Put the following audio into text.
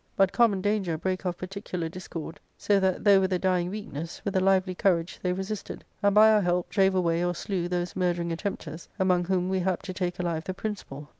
But common danger brake off par tiv'ular discord ; so that, though with a dying weakness, with a lively courage they resisted, and by our help drave away or slew those murdering attempters, among whom we hapt to take alive the principal.